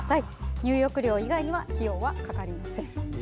入浴料以外は費用はかかりません。